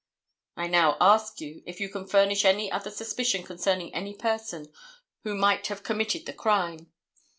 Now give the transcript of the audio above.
"I now ask you if you can furnish any other suspicion concerning any person who might have committed the crime?"